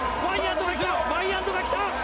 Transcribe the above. ワイヤントが来た！